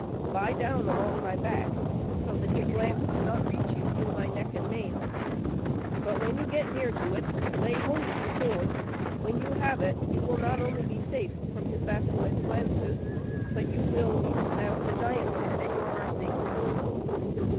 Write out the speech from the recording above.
Lie down along my back, so that his glance cannot reach you through my neck and mane; but when you get near to it, lay hold of the sword; when you have it you will not only be safe from his basilisk glances, but you will even have the giant's head at your mercy."